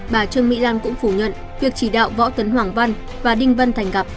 bà trương mỹ lan cũng phủ nhận việc chỉ đạo võ tấn hoàng văn và đinh văn thành gặp